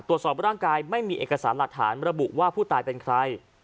ตรวจสอบร่างกายไม่มีเอกสารหลักฐานระบุว่าผู้ตายเป็นใคร